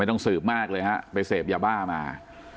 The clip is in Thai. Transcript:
ไม่ต้องสืบมากเลยไปเสพอย่าบ้ามา